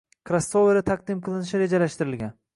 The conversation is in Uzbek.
krossoveri taqdim qilinishi rejalashtirilgan.